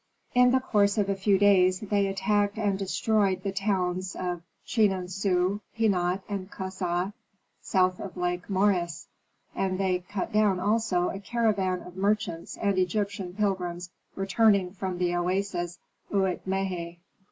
In the course of a few days they attacked and destroyed the towns of Chinen su, Pinat, and Kasa, south of Lake Moeris, and they cut down also a caravan of merchants and Egyptian pilgrims returning from the oasis Uit Mehe.